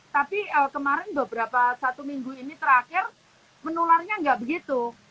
tapi kemarin beberapa satu minggu ini terakhir menularnya nggak begitu